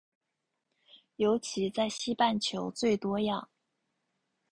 尤其在西半球最多样。